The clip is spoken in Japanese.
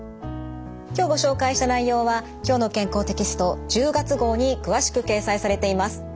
今日ご紹介した内容は「きょうの健康」テキスト１０月号に詳しく掲載されています。